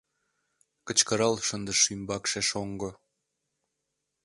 — кычкырал шындыш ӱмбакше шоҥго.